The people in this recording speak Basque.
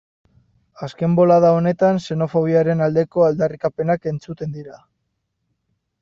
Azken bolada honetan xenofobiaren aldeko aldarrikapenak entzuten dira.